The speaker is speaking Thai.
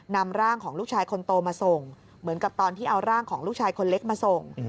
นำร่างของลูกชายคนโตมาส่งเหมือนกับตอนที่เอาร่างของลูกชายคนเล็กมาส่ง